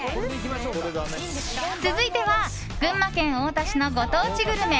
続いては、群馬県太田市のご当地グルメ。